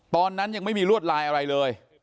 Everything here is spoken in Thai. ตอนนั้นยังไม่มีรวดลายอะไรเลย